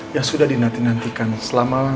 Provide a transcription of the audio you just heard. yang sudah dinantikan selama